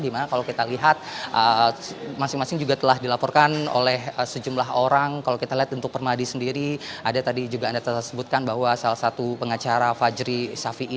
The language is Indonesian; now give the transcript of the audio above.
masing masing juga telah dilaporkan oleh sejumlah orang kalau kita lihat untuk permadi sendiri ada tadi juga anda telah sebutkan bahwa salah satu pengacara fajri safi'i